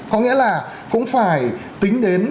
có nghĩa là cũng phải tính đến